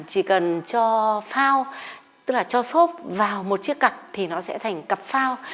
chỉ cần cho phao tức là cho xốp vào một chiếc cặt thì nó sẽ thành cặp phao